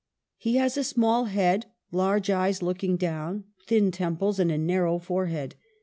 He has a small head, large eyes looking down, thin temples, and a narrow forehead.